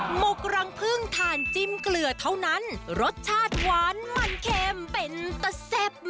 หกรังพึ่งทานจิ้มเกลือเท่านั้นรสชาติหวานมันเค็มเป็นตะแซ่บ